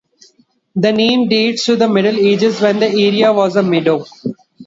The name dates to the Middle Ages when the area was a meadow.